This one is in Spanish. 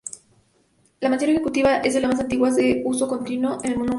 La Mansión Ejecutiva es la más antigua en uso continuo en el Nuevo Mundo.